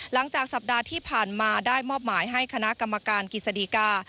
หลังจากสัปดาห์ที่ผ่านมาได้มอบหมายให้คณะกรรมการกิจสดีกา